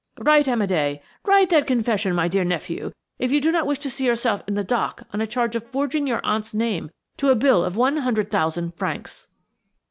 Write Amédé, write that confession, my dear nephew, if you do not wish to see yourself in the dock on a charge of forging your aunt's name to a bill for one hundred thousand francs."